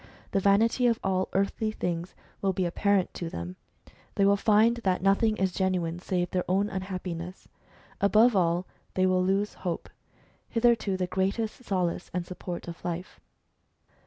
The vanity of all earthly things will be apparent to them ; they will find that nothing is genuine save their own unhappiness. Above all, they will lose hope, hitherto the greatest solace and support of life.